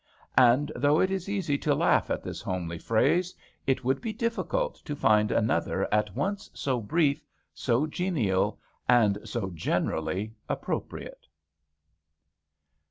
And though it is easy to laugh at this homely phrase, it would be difficult to find another at once so brief, so genial, and so generally appropriate.